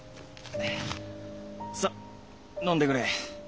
さっ飲んでくれ。